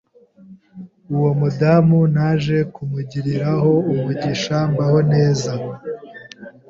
Uwo mudamu naje kumugiriraho umugisha mbaho neza,